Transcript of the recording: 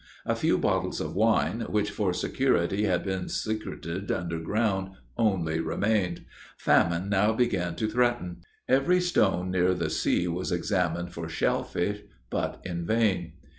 A few bottles of wine, which for security had been secreted under ground, only remained. Famine now began to threaten. Every stone near the sea was examined for shellfish, but in vain.